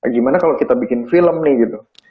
gimana kalau kita bikin film nih gitu